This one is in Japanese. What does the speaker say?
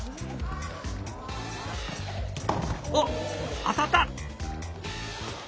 おっ当たった！